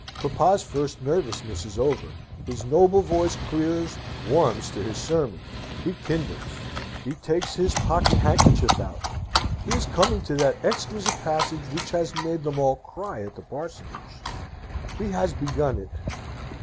Papa's first nervousness is over: his noble voice clears, warms to his sermon: he kindles: he takes his pocket handkerchief out: he is coming to that exquisite passage which has made them all cry at the parsonage: he has begun it!